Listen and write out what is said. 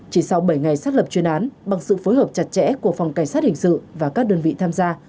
chỉ sau bảy ngày xác lập chuyên án bằng sự phối hợp chặt chẽ của phòng cảnh sát hình sự và các đơn vị tham gia